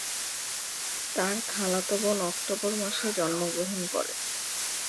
তার খালাতো বোন অক্টোবর মাসে জন্মগ্রহণ করে।